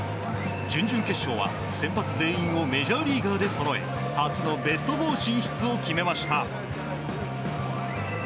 準々決勝は先発全員をメジャーリーガーでそろえ初のベスト４進出を決めました。